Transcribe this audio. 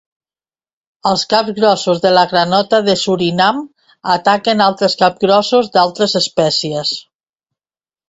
Els capgrossos de la granota de Surinam, ataquen altres capgrossos d'altres espècies.